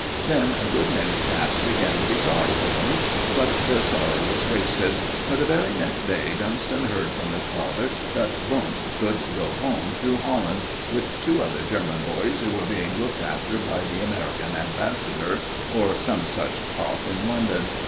Then a good many chaps began to be sorry for Wundt; but their sorrow was wasted, for the very next day Dunston heard from his father that Wundt could go home through Holland, with two other German boys who were being looked after by the American Ambassador, or some such pot in London.